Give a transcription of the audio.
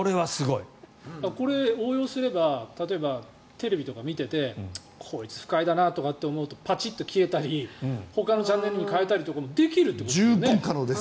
これ、応用すればテレビとかを見ていてこいつ不快だなって思うとパチッと消えたりほかのチャンネルに変えたりとかもできるってことだよね。